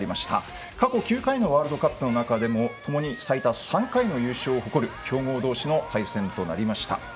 過去９回のワールドカップの中でもともに最多３回の優勝を誇る強豪同士の対戦となりました。